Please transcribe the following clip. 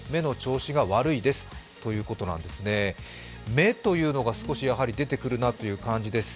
目というのが少し出てくるなという感じです。